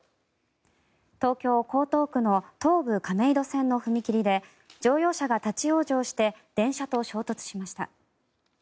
東京・江東区の東武亀戸線の踏切で乗用車が立ち往生して電車と衝突しました。